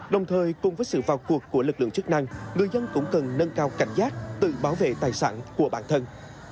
đồng thời cùng với sự vào cuộc của lực lượng chức năng người dân cũng cần nâng cao cảnh giác tự bảo vệ tài sản của bản thân